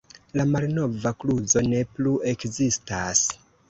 La malnova kluzo ne plu ekzistas.